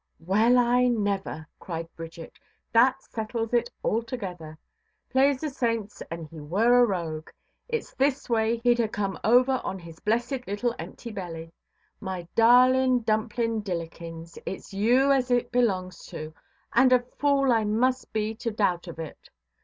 "Well, I never", cried Bridget; "that settles it altogether. Plase the saints an' he were a rogue, itʼs this way heʼd ha' come over on his blessed little empty belly. My darlin' dumplin' dillikins, itʼs you as it belongs to, and a fool I must be to doubt of it.